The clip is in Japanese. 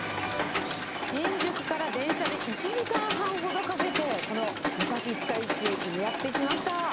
新宿から電車で１時間半ほどかけて、この武蔵五日市駅にやって来ました。